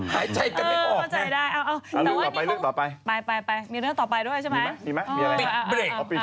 หายใส่กันได้ออกเนี่ย